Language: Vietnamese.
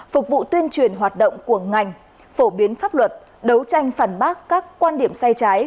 phục vụ tuyên truyền hoạt động của ngành phổ biến pháp luật đấu tranh phản bác các quan điểm sai trái